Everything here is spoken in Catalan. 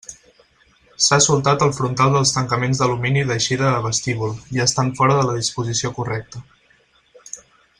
S'ha soltat el frontal dels tancaments d'alumini d'eixida de vestíbul, i estan fora de la disposició correcta.